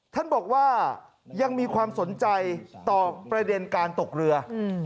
ท่านบอกว่ายังมีความสนใจต่อประเด็นการตกเรือ